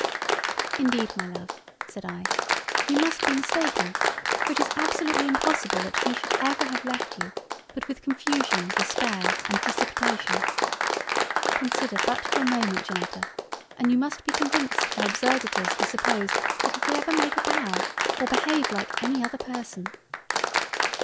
Indeed my Love (said I) you must be mistaken—for it is absolutely impossible that he should ever have left you but with Confusion, Despair, and Precipitation. Consider but for a moment Janetta, and you must be convinced how absurd it is to suppose that he could ever make a Bow, or behave like any other Person."